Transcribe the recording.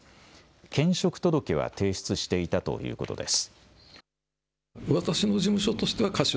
兼職届は提出していたということです。